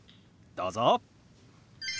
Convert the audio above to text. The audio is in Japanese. どうぞ。